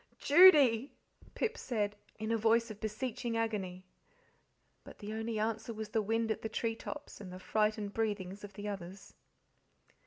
"Judy!" Pip said, in a voice of beseeching agony. But the only answer was the wind at the tree tops and the frightened breathings of the others.